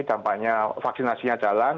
dampaknya vaksinasinya jalan